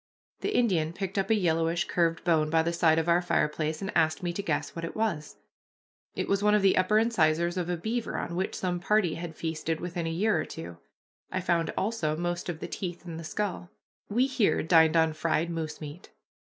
The Indian picked up a yellowish curved bone by the side of our fireplace and asked me to guess what it was. It was one of the upper incisors of a beaver, on which some party had feasted within a year or two. I found also most of the teeth and the skull. We here dined on fried moose meat.